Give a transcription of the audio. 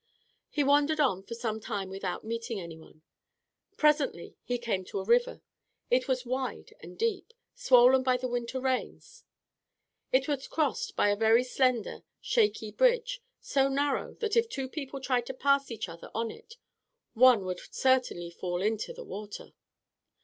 He wandered on for some time without meeting any one. Presently he came to a river. It was wide and deep, swollen by the winter rains. It was crossed by a very slender, shaky bridge, so narrow, that if two people tried to pass each other on it, one would certainly fall into the water.